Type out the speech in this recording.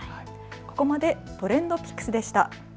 ここまでＴｒｅｎｄＰｉｃｋｓでした。